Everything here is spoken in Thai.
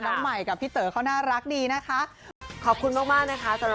แต่นี่ก็ไม่ได้รู้สึกว่าเขาอวดนะ